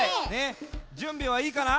じゅんびはいいかな？